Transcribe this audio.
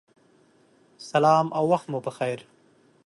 سلام او وخت مو پخیر